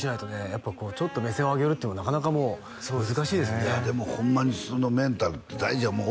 やっぱこうちょっと目線を上げるっていうのはなかなかもう難しいですもんねいやでもホンマにそのメンタルって大事や思う